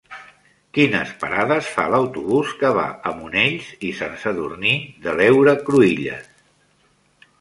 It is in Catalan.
Quines parades fa l'autobús que va a Monells i Sant Sadurní de l'Heura Cruïlles?